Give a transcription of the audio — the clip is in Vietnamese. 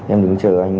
em đứng chờ anh